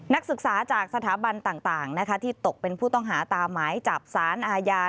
นักศึกษาจากสถาบันต่างที่ตกเป็นผู้ต้องหาตามหมายจับสารอาญา